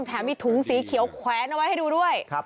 แถมมีถุงสีเขียวแขวนเอาไว้ให้ดูด้วย